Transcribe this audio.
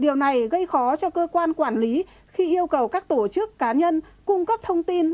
điều này gây khó cho cơ quan quản lý khi yêu cầu các tổ chức cá nhân cung cấp thông tin